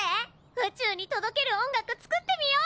宇宙に届ける音楽作ってみよう！